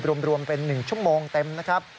รวมเป็น๑ชั่วโมงเต็มนะครับ